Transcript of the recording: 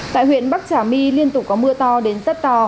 tại huyện bắc trả my liên tục có mưa to đến tất to